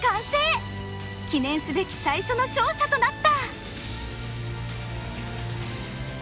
記念すべき最初の勝者となった！